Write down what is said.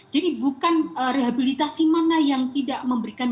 bukan rehabilitasi mana yang tidak memberikan